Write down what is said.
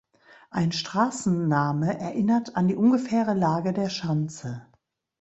Ein Straßenname erinnert an die ungefähre Lage der Schanze.